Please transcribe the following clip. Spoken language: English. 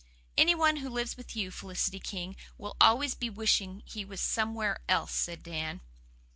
"Any one who lives with you, Felicity King, will always be wishing he was somewhere else," said Dan.